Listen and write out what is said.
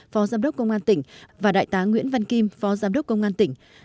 phó giám đốc công an tỉnh và đại tá nguyễn văn kim phó giám đốc công an tỉnh